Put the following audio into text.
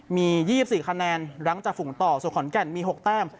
มียี่สิบสี่คะแนนหลังจากฝุ่งต่อส่วนขอนแก่นมีหกแต้ม